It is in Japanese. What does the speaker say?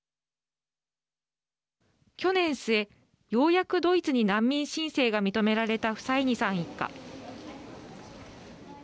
去年末、ようやくドイツに難民申請が認められたフサイニさん一家。